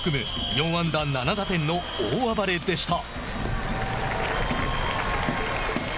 ４安打７打点の大暴れでした。